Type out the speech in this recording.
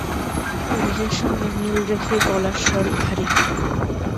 শরীরের সঙ্গে মিল রেখে গলার স্বর ভারী।